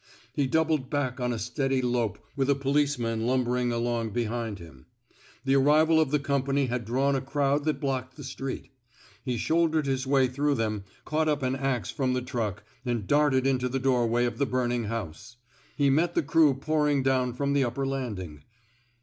He doubled back on a steady lope with a policeman lumbering along behind him. The arrival of the company had drawn a crowd that blocked the street. He shoul dered his way through them, caught up an ax from the truck, and darted into the door way of the burning house. He met the crew pouring down from the upper landing.